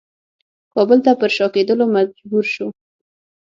کابل ته پر شا کېدلو مجبور شو.